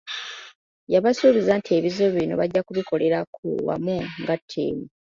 Yabasuubiza nti ebizibu bino bajja kubikolerako wamu nga ttiimu.